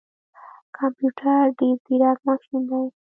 کمپيوټر ډیر ځیرک ماشین دی